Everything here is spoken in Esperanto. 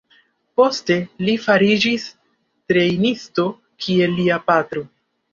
Poste li fariĝis trejnisto kiel lia patro.